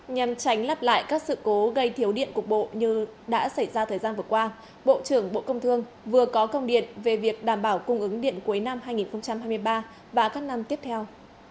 nhằm tránh lắp lại các sự cố gây thiếu điện cục bộ như đã xảy ra thời gian vừa qua bộ trưởng bộ công thương vừa có công điện về việc đảm bảo cung ứng điện cuối năm hai nghìn hai mươi ba và các năm tiếp theo